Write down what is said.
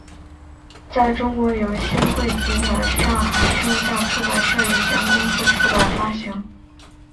在中国由新汇集团上海声像出版社有限公司出版发行。